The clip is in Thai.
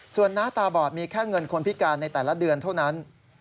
ส่วนน้าตาบอดมีแค่เงินคนพิการในแต่ละเดือนเท่านั้น